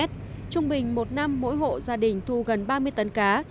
trung bình một năm mỗi hộ gia đình thu gần ba mươi tấn cá